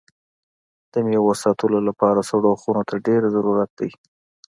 د میوو ساتلو لپاره سړو خونو ته ډېر ضرورت ده.